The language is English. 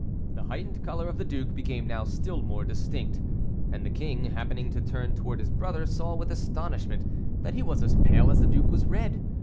The heightened color of the duke became now still more distinct; and the king, happening to turn towards his brother, saw with astonishment, that he was as pale as the duke was red.